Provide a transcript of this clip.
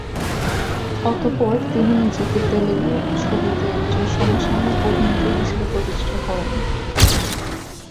অতঃপর তিনি নিজেকে তেলুগু ছবিতে একজন সমসাময়িক অভিনেত্রী হিসেবে প্রতিষ্ঠা করেন।